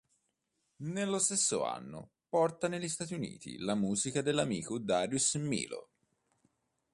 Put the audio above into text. Nello stesso anno porta negli Stati Uniti la musica dell'amico Darius Milhaud.